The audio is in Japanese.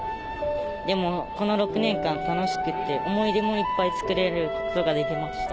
でもこの６年間楽しくて思い出もいっぱいつくれることができました。